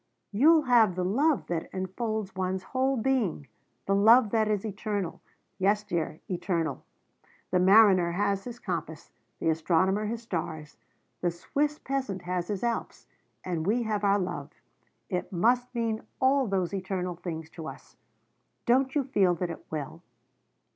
You'll have the love that enfolds one's whole being the love that is eternal. Yes, dear eternal. The mariner has his compass, the astronomer his stars, the Swiss peasant has his Alps and we have our love. It must mean all those eternal things to us. Don't you feel that it will?